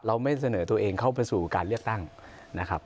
ไม่เสนอตัวเองเข้าไปสู่การเลือกตั้งนะครับ